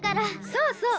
そうそう。